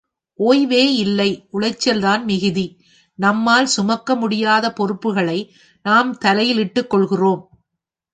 ஓய்வே இல்லை உளைச்சல்தான் மிகுதி, நம்மால் சுமக்க முடியாத பொறுப்புகளை நாம் தலையில் இட்டுக்கொள்கின்றோம்.